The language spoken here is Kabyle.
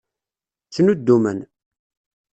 Ttnuddumen.